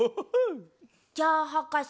じゃあはかせ。